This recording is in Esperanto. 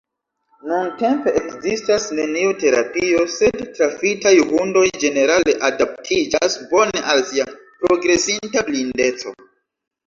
Nuntempe ekzistas neniu terapio, sed trafitaj hundoj ĝenerale adaptiĝas bone al sia progresinta blindeco.